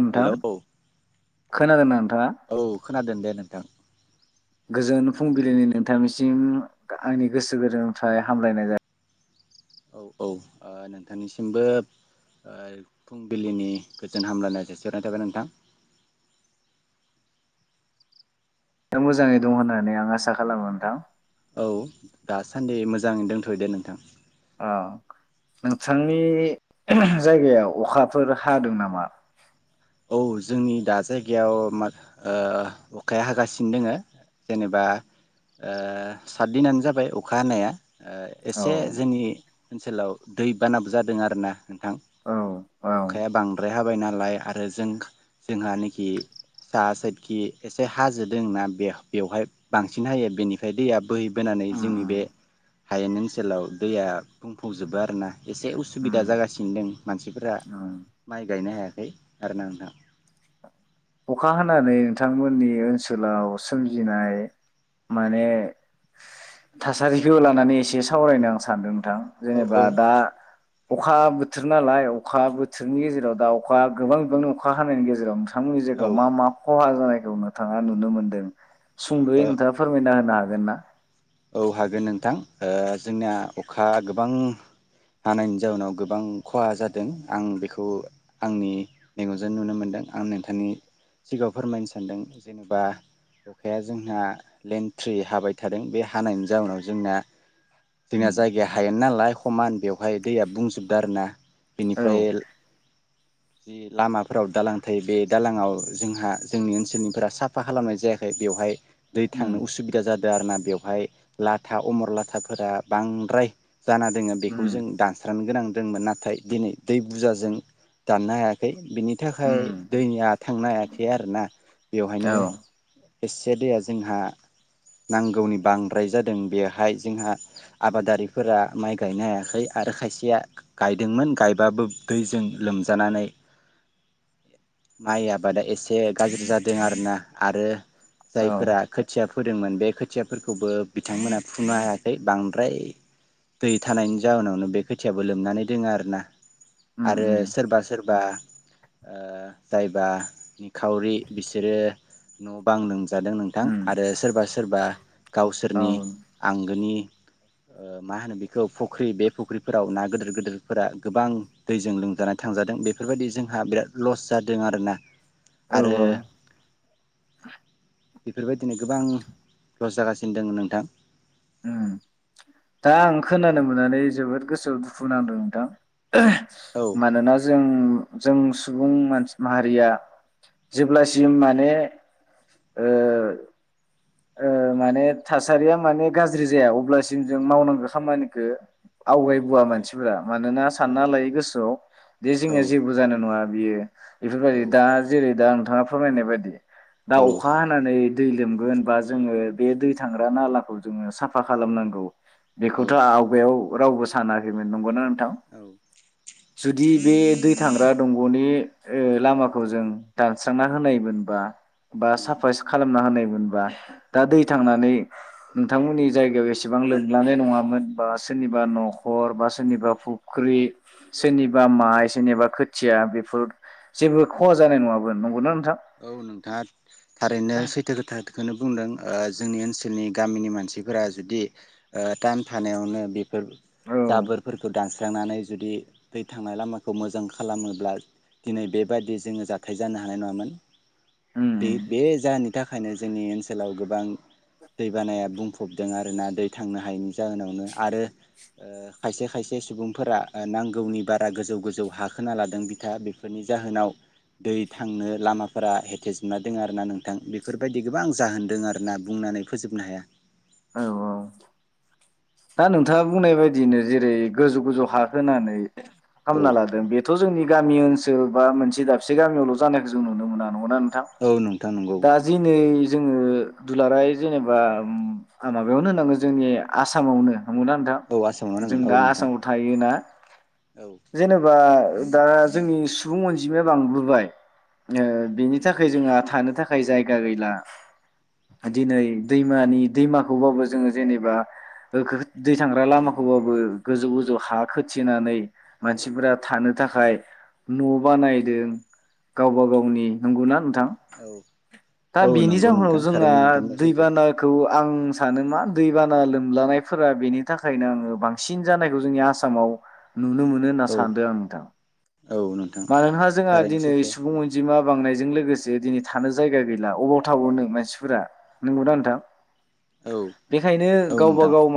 नोंथां हेलौ औ खोनादोंना नोंथाङा औ खोनादों दे नोंथां। गोजोन फुंबिलिनि नोंथांनिसिम गा आंनि गोसो गोरोमफ्राय हामलायनाय जा औ औ ओ नोंथांनिसिमबो ओ फुंबिलिनि गोजोन हामलानाय जासिहरनाय थाबाय नोंथां। दा मोजाङै दङ होननानै आं आसा खालामो नोंथां। औ दासान्दि मोजाङै दोंथयो दे नोंथां। अ नोंथांनि जायगायाव अखाफोर हादों नामा? औ जोंनि दा जायगायाव मा ओ अखाया हागासिनो दोङो जेनेबा साद दिनानो जाबाय अखा हानाया। ओ औ एसे जोनि ओनसोलाव दै बानाबो जादों आरो ना। नोंथां औ औ अखाया बांद्राय हाब बाय नालाया आरो जोंख जोंहा नैखि साहा साइदखि एसे हाजो दोंना बे बेवहाय बांसिन हायो बेनिखाय दैया। बैहै बोनानै उम जोंनि उम बे हायेन ओनसोलाव दैया बुंफुबजोबो आरो ना? एसे उसुबिदा उम जागासिन दों मानसिफोरा उम माइ गायनो हाया। ओइ आरो ना नोंथां। अखा हानानै नोंथांमोननि ओनसोलाव सोमजिनाय माने थासारिखौ लानानै एसे सावरायनो आं सानदों। थां औ जेनेबा औ दा अखा बोथोर नालाय अखा बोथोरनि गेजेराव दाउखा गोबां गोबांनि अखा हानायनि गेज [unintelligible] थांमोनि औ जायगायाव मा मा खहा जानाय? औ नोंथाङा नुनो मोन्दों। सुंद'यै ओ नोंथाङा फोरमायना होनो हाग गोना औ हागोन नोंथां ओ जोंना अखा गोबां हानायनि जाउनाव गोबां खहा जादों आं बेखौ आंनि मेगनजों नुनो मोनदों आं नोंथांनि सिगाङाव फोरमायनो सानदों जेनेबा अखाया जोंना लेन्र्टि हाबाय थादों बे हा हानायनि जाउनाव जोंना जोंना उम जायगाया हायेन नालाय खमान बेवहाय दैया बुंजोबदो आरोना। औ बिनिफ्राय एल जि लामाफोराव दालां थायो बे दालाङाव जोंहा जोंनि ओनसोलनिफोरा साफा खालामनाय जायाखै बेवहाय दै उम थांनो उसुबिदा जाद। दा आरोना बेवहाय। लाथा अमर लाथाफोरा बांद्राय जाना दोङो बेखौ उम जों दानस्रांनो गोनां दोंमोन नाथाय दिनै दै बुरजाजों दाननो हायाखै बिनि थाखाय उम दैनिया थांनो हायाखै आरो ना? औ बेवहायनो। बेसे दैया जोंहा नांगौनि बां द्राय जादों बेहाय जोंहा आबादारिफोरा माइ गायनो हायाखै आरो खायसेया गायदोंमोन गायबाबो दैजों लोमजानानै माइ आबादा एसे गाज्रि जादों आरोना आरो औ जायफोरा खोथियाब फोदोंमोन बे खोथियाफोरखौबो बिथांमोना फुनो हायाखै बांद्राय दै थानायनि जााहोनावनो बे खोथियाबो लोमनानै दोङो आरोना। उम आरो उम सोरबास सोरबा ओ जायबा निखावरि बिसोरो न' बां लों जादों नोंथां उम आरो सोरबा सो सोरबा गाव औ सोरनि आंगोनि ओ मा होनो बेखौ फुख्रि बे फुख्रिफोराव ना गिदिर गिदिरफोरा गोबां दैजों लोमजानाय थांजादों बेफोरबायदि जोंहा बिराद लस जादों आरोना औ आरो औ बेफोरबायदिनो गोबां लस जागासि नोदों नोंथां उम दा आं खोनानो मोननानै जोबोद गोसोआव दुखु नांदों नोंथां औ मानोना जों जों सुबुं मानस माहारिया जेब्लासिम माने ओ ओ माने थासारिया माने गाज्रि जाया अब्लासिम जों मावनांगौ खामानिखौ आवगायबोआ औ मानसिफोरा मानोना औ सानना लायो गोसोआव बे औ जोंनिया जेबो जानाय नङा बेयो औ बेफोरबायदि दा जेरै दा नोंथाङा फोरमायनाय बायदि दा औ अखा हानानै दै लोमगोन बा जोङो बे दै थांग्रा नालाखौ जोङो साफा खालामनांगौ औ बेखौथ' आवगायाव रावबो सानाखैमोन नंगौना नोंथां जुदि बे दै थांग्रा दंग'नि लामाखौ जों दानस्रांना होनायमोनबा बा साफा खालामना होनायमोनबा दा दै थांनानै नोंथांमोननि जायगायाव एसेबां लोमलनाय नङामोन बा सोरनिबा न'खर बा सोरनिबा फुख्रि सोरनिबा माइ सोरनिबा खोथिया बेफोर जेबो खहा जानाय नङामोन नंगौना नों औ नोंथाङा थारैनो सैथो खोथाखौनो बुंदों ओ जोंनि ओनसोलनि गामिनि मानसिफोरा जुदि ओ टाइम थानायावनो बेफोर औ जाबोरफोरखौ दानस्रांनानै जुदि दै थांनाय लामाखौ मोजां खालामोब्ला दिनै बेबादि जोङो जाथाय जानो हानाय नङामोन उम बे उम बे जानि बिनि थाखायनो जोंनि ओनसोलाव गोबां दैबानाया बुंफबदों आरोना दै थांनो हायैनि जाहोनावनो आरो ओ खायसे खायसे सुबुंफोरा ओ नांगौनि बारा गोजौ गोजौ हा खोना लादों बिथा बेफोरनि जाहोनाव दै थांनो लामा फोरा हेथेजोबना दं आरो ना नोंथां बेफोरबायदि गोबां जाहोनदों आर ना बुंनानै फोजोबनो हाया औ औ दा नोंथाङा बुंनाय बायदिनो जेरै गोजौ गोजौ हा होनानै औ खालामना लादों बेथ' जोंनि गामि ओनसोल बा मोनसे दाबसे गामियावल' जानायखौ जों नुनो मोना नंगोना न नोंथां औ नोंथां नंगौ दा जि नै जोङो दुलाराय जेनेबा माबायावनो होनांगोन जोंनि आस सामावनो नंगौना औ नोंथां आसामावनो जों नांगोन दा औ नोंथां आसामाव थायोना औ [unintelligible] जेनेबा दा जोंनि सुबुं अनजिमाया बांबोबाय ओ बेनि थाखाय जोंहा थानो थाखाय जायगा गैला दिनै दैमानि दैमाखौबाबो जोङो जेनेबा दै थांग्रा लामाखौबाबो गोजौ गोजौ हा खोथिनानै मानसिफोरा थानो थाखाय न' बानायदों गावबा गावनि नंगौना नोंथां? औ दा औ बेनि नंगौ जाहोनाव नोंथां जोंहा थारैनो नोंथां बुंनाया सैथो दैबानाखौ आं सानो मा दैबाना लोमलानाय फोरा बेनि थाखायनो आङो बांसिन जानायखौ जोंनि आसामाव नुनो मोनो होनना औ सानदों आं नोंथां औ नोंथां मानोनहा जोंहा थारैनो दिनै सैथो सुबुं अनजिमा बांनायजों लोगोसे दिनै थानो जायगा गैला अबाव थाबावनो मानसिफोरा नोंगौदा नोंथां? औ बेखायनो औ गावबा नोंथां गाव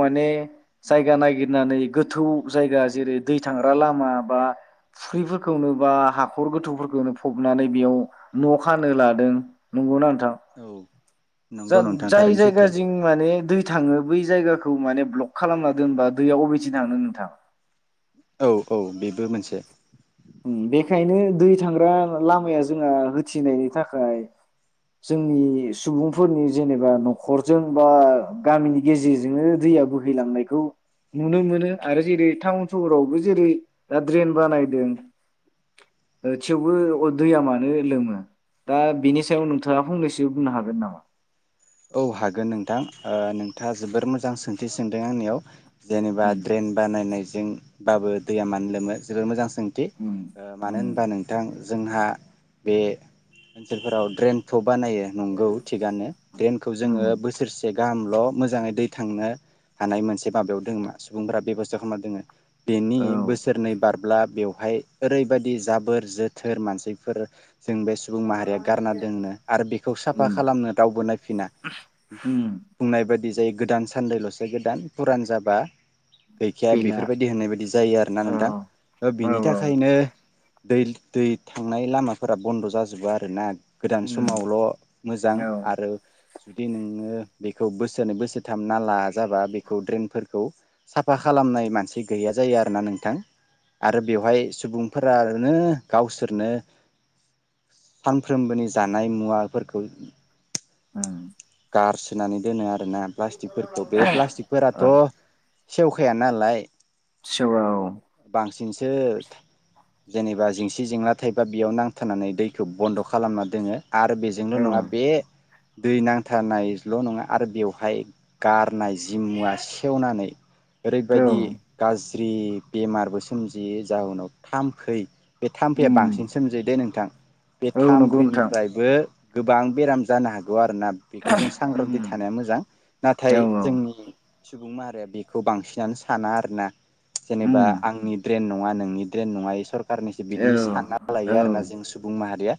जायगा नागिरनानै गोथौ जायगा जेरै दै थांग्रा लामा बा फख्रिफोरखौनो बा हाखर गोथौफोरखौनो फबनानै बेयाव न' खानो लादों नंगौना नोंथां? औ नंगौ नोंथां जाय थारैनो जायगा सैथो जों माने दै थाङो बै जायगाखौ खौ माने ब्लक खालामना दोनबा दैयाव अबेथि थांनो नोंथां औ औ बेबो मोनसे बेखायनो दै थांग्रा लामाया जोंहा होथिनायनि थाखाय जोंनि सुबुंफोरनि जेनेबा न'खरजों बा गामिनि गेजेरजोंनो दैया बोहैलांनायखौ नुनो मोनो आरो जेरै टाउन सहरावबो जेरै दा ड्रेन बानायदों थेवबो दैया मानो लोमो दा बेनि सायाव नोंथाङा फंनैसो बुंनो हागोन नामा औ हागोन नोंथां। ओ नोंथाङा जोबोर मोजां सोंथि सोंदों आंनियाव जेनेबा उम ड्रेन बानायनायजो जों बाबो दैया मानो लोमो जोबोद मोजां सोंथि उम ओ मानो उम होनबा नोंथां जोंहा बे ओनसोलफोराव ड्रेन थप बानायो नंगौ थिगानो द्रेनखौ जोङो उम बोसोरसे गाहामल' मोजाङै दै थांनो हानाय मोनसे माबायाव दङ' मा सुबुंफोरा बेबस्था खालामना दोङो। बेनि औ बोसोरनै बार ब्ला बेवहाय ओरैबायदि जाबोर जोथोर मानसिफोर जों बे सुबुं माहारिया गारना दोननो आरो बेखौ साफा उम खालामनो रावबो फिना उम बुंनाय बायदि बिदि जायो गोदान सान्दैल'सो गोदान फुरान जाबा गैखाया गैला बेफोरबायदि होननाय बायदि जायो आरोना औ नोंथां औ बिनि औ थाखायनो दै दै थांनाय लामाफोरा बन्द' जाजोबो आरोना गोदान उम समावल' मोजां औ आरो जुदि नोङो बेखौ बोसोरनै बोसोरथाम नाला जाबा बेखौ ड्रेननफोर खौ साफा खालामनाय मानसि गैया जायो आरोना नोंथां आरो बेवहाय सुबुंफोरानो गावसोरनो फानफ्रोमबोनि जानाय मुवाफोरखौ उम गारसोनानै दोनो आरो ना प्लास्टिकफोरखौ बे प्लास्टिकफोराथ' औ सेवखाया नालाय सेवा औ ओ जेनेबा जेंसि जेंला थायो बा बेयाव नांथानानै दैखौ बन्द' खालामना दोनो। आरो बेजोंल' औ नङा बे दै नांथानायल' नङा आरो बेवहाय गारनाय जि मुवा सेवनानै औ ओरैबायदि गाज्रि ज्रि बेमारबो सोमजियै जाहनाव थाम्फै बे थाम्फैया उम बांसिन सोमजिदो नोंथां बे औ नंगौ नोंथां थाम्फैनिफ्रायबो गोबां बेराम जानो हागो आरोना बेखौ जों उम सांग्रांथि थानाया मोजां नाथाय औ औ जोंनि सुबुं माहारिया बेखौ बांसिनानो साना आरो ना। जेनेबा उम आंनि ड्रेन नङा नोंनि द्रेन नङा इयो सर खारनिसो औ बिदि सानना औ लायो आरोना जों सुबुं माहारिया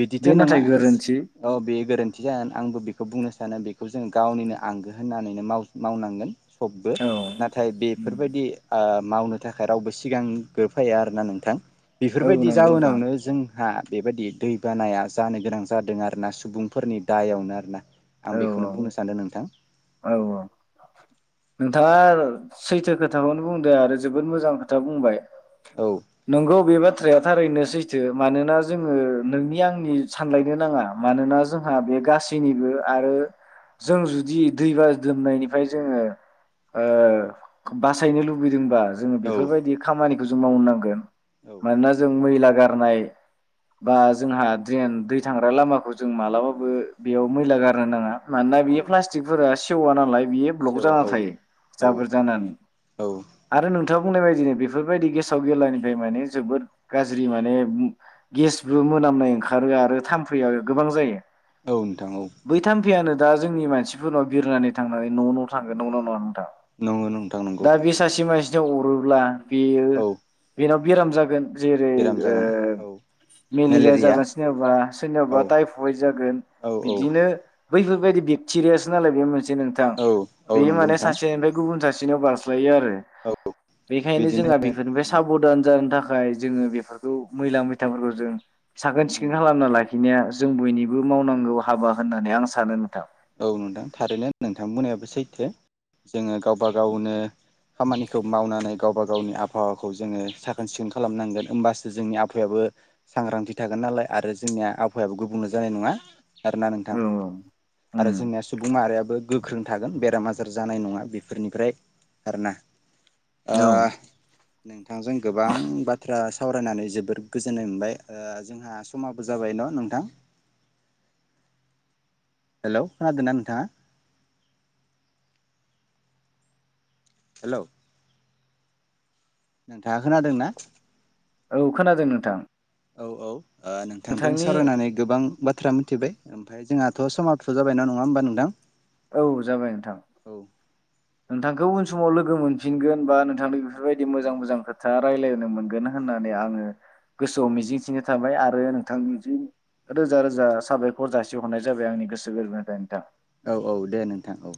बिदिथ' बे नाथाय नङा गोरोन्थि औ बे गोरोन थि जागोन आंबो बेखौ बुंनो सानो बे खौ जों गावनिनो आंगो होननानै माव मावनांगोन। सबबो औ नाथाय बेफोरबायदि ओ मावनो थाखाय रावबो सिगांग्रो फाया आरो ना नोंथां। औ बेफोरबायदि नंगौ नोंथां जाहोनावनो जों हा बेबायदि दै बानाया जानो गोनां जादों आरो ना सुबुंफोरनि दायावनो आरोना। औ आं बेखौनो बुंनो सा न्दों नोंथां। औ औ नोंथाङा सैथो खोथाखौनो बुंदो आरो जोबोद मोजां खोथा बुंबाय। औ नोंगौ बे बाथ्राया थारैनो सैथो मानोना जोंङो नोंनि आंनि सानलायनो नाङा मानोना जोंहा बे गासैनिबो आरो जों जुदि दै बाज्रुमनायनिफ्राय जोंङो बासायनो लुबैदोंबा जों औ बेफोरबायदि खामानि जों मावनांगोन औ मानोना जों मैला गार गारनाय बा जोंहा द्रेन दै थांग्रा लामाखौ जों मालाबाबो बेयाव मैला गारनो नाङा मानोना बेयो औ प्लास टिखफोरा सेवा नालाय। बियो ब्लक सेवा जाना औ थायो औ जाबोर जानानै औ आरो नोंथां बुंनाय बायदिनो बेफोरबायदि गेसाव गेलानिफ्राय माने जोबोद गाज्रि माने गेसबो मोनामनाय ओंखारो आरो थाम्फैया गोबां जायो। औ नोंथां औ बै थामफियानो। दा जोंनि मानसि। फोरनाव बिरनानै थांनानै न' न' थांगोन न' न' न'आव। नंगौ नोंथां नंगौ दा बे सासे मानसिनियाव अरोब्ला बेयो औ बेनाव। बेराम जागोन। जेरै बेराम जागोन औ मेलेरिया जागासिनोआबा औ सोरनियावबा टाइफयड जागोन औ औ बिदिनो। बैफोबायदि ब‌िक्थिरियास। नालाय बेयो मोनसे दि नोंथां औ औ बेयो नंगौ माने नोंथां सासेनिफ्राय गुबुन सासे। सिनाव बारस्लायो आरो औ बेखायनो बिदिनो जोंहा बेफोरनिफ्राय उम साबधान जानो थाखाय ओमफ्राय जोङो बेफोरखौ मैला मैथाफोरखौ जों साखोन उम सिखोन खालामना लाखिनाया जों बयनिबो मावनांगौ हाबा होननानै आं सानो नोंथां औ नोंथां थारैनो नोंथां बुंनायाबो सैथो जोङो गावबा गावनो खामानिखौ मावनानै गावबा गावनि आबहावाखौ जोङो साखोन सिखोन खालामनांगोन होमबासो जोंनि आबहायाबो सांग्रांथि थागोन नालाय आरो जोंनिया आबहावायाबो गुबुंले जानाय नङा आरोना नोंथां औ औ आरो उम जोंनिया सुबुं माहारियाबो गोख्रों थागोन बेराम आजार जानाय नङा बेफोरनिफ्राय आरोना ओ औ नोंथांजों गोबां बाथ्रा सावरायनानै जोबोर गोजोननाय मोनबाय ओ जोंहा समाबो जाबाय न नोंथां हेल खोनादोना नोंथाङा हेल नोंथाङा खोनादोंना औ खोनादों नोंथां औ औ ओ नोंथांजों नोंथांनि सावरायनानै गोबां बाथ्रा मिथिबाय ओमफ्राय जोंहाथ समाथ जाबय नङा होमबा नोंथां औ जाबाय नोंथां औ नोंथांखौ उन समाव लोगो मोनफिनगोन बा नोंथांनि बेफोरबायदि मोजां मोजां खोथा रायजलायनो मोनगोन होननानै आङो गोसोआव मिजिंथिनाय थाबाय आरो नोंथांनिजों रोजा रोजा साबायखर जासिहरनाय जाबाय आंनि गोसो गोरबोनिफ्राय नोंथां। औ औ दे नोंथां औ।